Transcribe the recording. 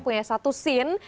punya satu scene